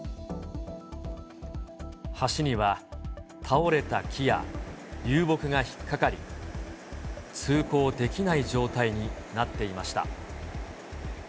橋には倒れた木や、流木が引っ掛かり、通行できない状態になっていました。